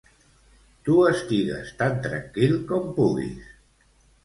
Tu estigues tan tranquil com puguis.